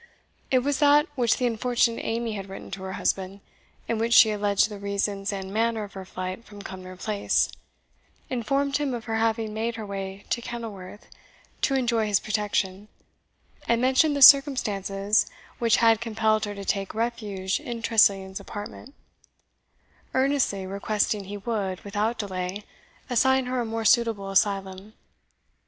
It was that which the unfortunate Amy had written to her husband, in which she alleged the reasons and manner of her flight from Cumnor Place, informed him of her having made her way to Kenilworth to enjoy his protection, and mentioned the circumstances which had compelled her to take refuge in Tressilian's apartment, earnestly requesting he would, without delay, assign her a more suitable asylum.